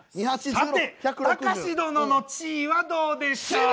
さてたかし殿の地位はどうでしょう？